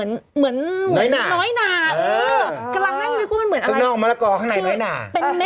โอเคโอเคโอเค